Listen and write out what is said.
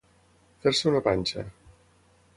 Fer-se una panxa.